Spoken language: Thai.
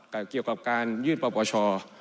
แต่เกี่ยวกับการยื่นประปวช